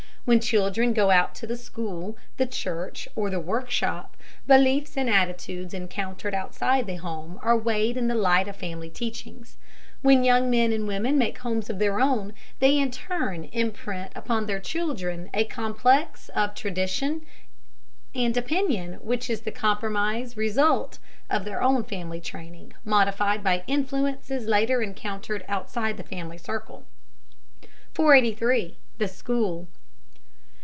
When children go out to the school, the church or the workshop, beliefs and attitudes encountered outside the home are weighed in the light of family teachings. When young men and young women make homes of their own, they in turn imprint upon their children a complex of tradition and opinion which is the compromise result of their own family training, modified by influences later encountered outside the family circle. 483. THE SCHOOL.